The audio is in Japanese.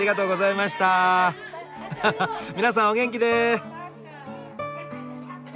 皆さんお元気で！